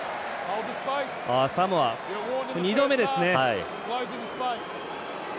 サモア、２度目ですね。